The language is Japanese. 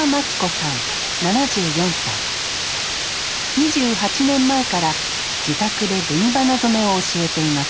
２８年前から自宅で紅花染めを教えています